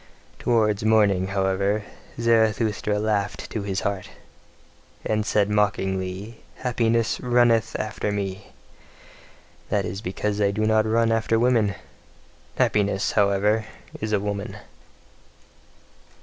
Towards morning, however, Zarathustra laughed to his heart, and said mockingly: "Happiness runneth after me. That is because I do not run after women. Happiness, however, is a woman."